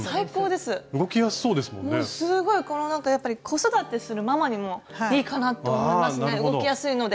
すごいやっぱり子育てするママにもいいかなと思いますね動きやすいので。